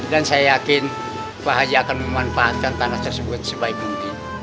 dan saya yakin pak haji akan memanfaatkan tanah tersebut sebaik mungkin